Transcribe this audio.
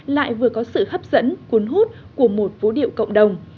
lại vừa có sự hấp dẫn cuốn hút của một vũ điệu cộng đồng